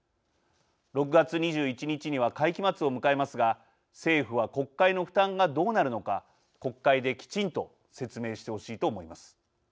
６月２１日には会期末を迎えますが政府は国民の負担がどうなるのか国会できちんと説明してほしいと思います。